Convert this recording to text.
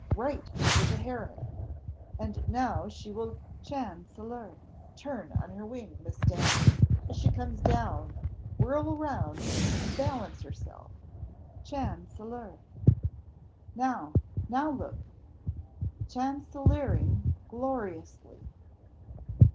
right over the heron; and now she will canceleer turn on her wing, Miss Stanley, as she comes down, whirl round, and balance herself chanceler. Now! now look! cancelleering gloriously!"